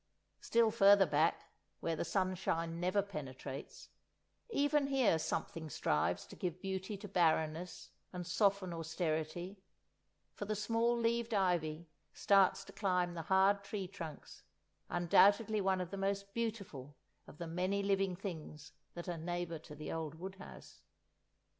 Still further back, where the sunshine never penetrates, even here something strives to give beauty to barrenness and soften austerity, for the small leaved ivy starts to climb the hard tree trunks, undoubtedly one of the most beautiful of the many living things that are neighbour to the old wood house.